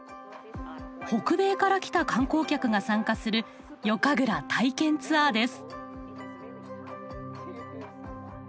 北米から来た観光客が参加する夜神楽体験ツアーです。